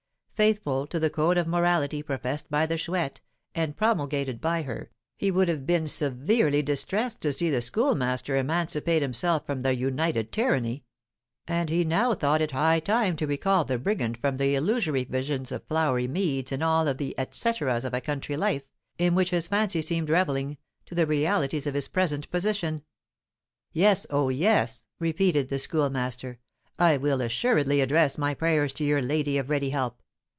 Faithful to the code of morality professed by the Chouette, and promulgated by her, he would have been severely distressed to see the Schoolmaster emancipate himself from their united tyranny; and he now thought it high time to recall the brigand from the illusory visions of flowery meads and all the et coeteras of a country life, in which his fancy seemed revelling, to the realities of his present position. "Yes, oh, yes," repeated the Schoolmaster; "I will assuredly address my prayers to your 'Lady of Ready Help.'